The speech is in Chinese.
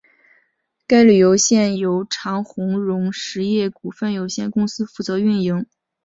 该旅馆现由长鸿荣实业股份有限公司负责营运。